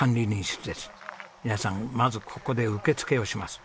皆さんまずここで受け付けをします。